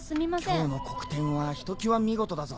今日の黒点はひときわ見事だぞ。